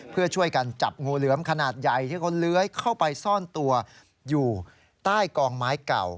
เพื่อช่วยกันจับงูเหลือมขนาดใหญ่ที่เขาเลื้อยเข้าไปซ่อนตัวอยู่ใต้กองไม้เก่า